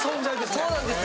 そうなんです。